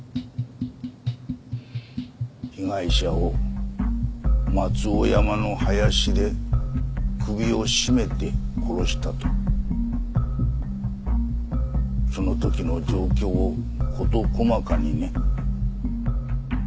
被害者を松尾山の林で首を絞めて殺したとその時の状況を事細かにね。